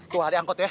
tuh adik angkut ya